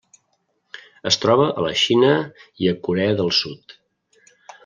Es troba a la Xina i a Corea del Sud.